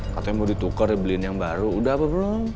katanya mau ditukar dibeliin yang baru udah apa belum